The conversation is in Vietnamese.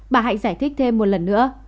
bà hạnh giải thích thêm một lần nữa